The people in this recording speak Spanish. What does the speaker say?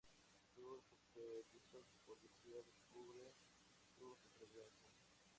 Su supervisor policial encubre su supervivencia.